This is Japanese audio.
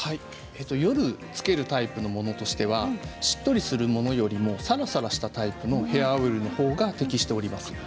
夜つけるタイプのものではしっとりしたものよりもさらさらしたタイプのヘアオイルのほうが適しています。